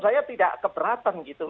saya tidak keberatan gitu